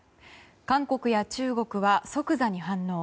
韓国や中国は即座に反応。